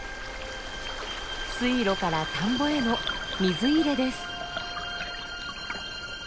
水路から田んぼへの水入れです。